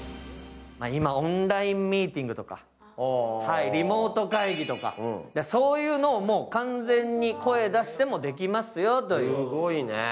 今、オンラインミーティングとかリモート会議とか、そういうのをもう完全に声出してもできますよという。